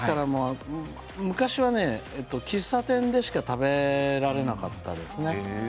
昔は喫茶店でしか食べられなかったですよね。